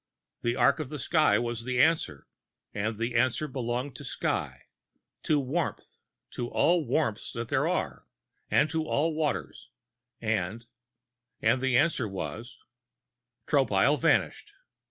The arc of sky was the answer, and the answer belonged to sky to warmth, to all warmths that there are, and to all waters, and and the answer was was Tropile vanished.